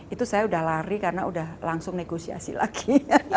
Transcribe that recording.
itu saya sudah lari karena sudah langsung negosiasi lagi